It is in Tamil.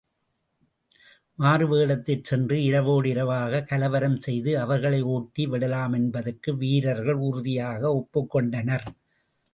வாணிகர்களாக மாறுவேடத்திற் சென்று, இரவோடு இரவாகக் கலவரம் செய்து அவர்களை ஓட்டி... விடலாமென்பதற்கு வீரர்கள் உறுதியாக ஒப்புக் கொண்டனர்.